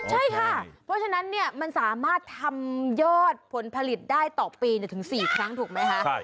ใช่ค่ะเพราะฉะนั้นมันสามารถทำยอดผลผลิตได้ต่อปีถึง๔ครั้งถูกไหมคะ